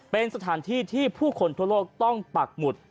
เป็นสถานที่ที่ผู้คนทั่วโลกต้องปักหมุด